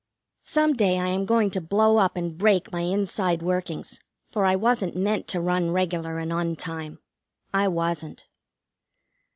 Some day I am going to blow up and break my inside workings, for I wasn't meant to run regular and on time. I wasn't.